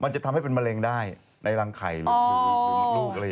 จะทำให้เป็นมะเร็งได้ในรังไข่หรือมดลูกอะไรอย่างนี้